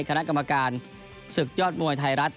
คณะกรรมการศึกยอดมวยไทยรัฐ